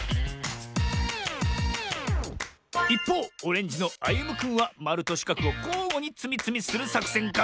いっぽうオレンジのあゆむくんはまるとしかくをこうごにつみつみするさくせんか？